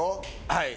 はい。